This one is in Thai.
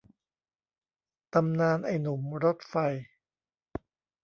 ตำนานไอ้หนุ่มรถไฟ